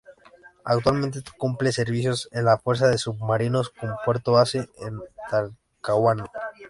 Actualmente cumple servicios en la Fuerza de Submarinos con puerto base en Talcahuano.